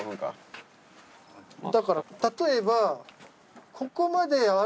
だから例えば。